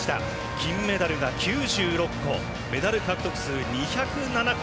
金メダル９６個メダル獲得数２０７個。